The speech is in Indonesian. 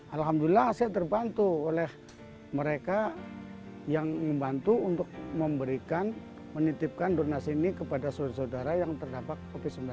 alhamdulillah saya terbantu oleh mereka yang membantu untuk memberikan menitipkan donasi ini kepada saudara saudara yang terdampak covid sembilan belas